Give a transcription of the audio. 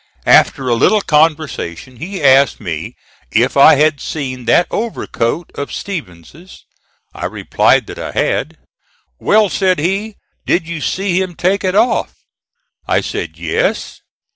After a little conversation, he asked me if I had seen that overcoat of Stephens's. I replied that I had. "Well," said he, "did you see him take it off?" I said yes.